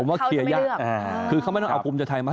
ผมว่าเคลียร์ยากคือเขาไม่ต้องเอาภูมิใจไทยมา